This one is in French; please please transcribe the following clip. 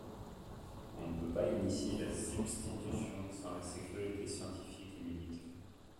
On ne peut pas initier la substitution sans la sécurité scientifique et médicale.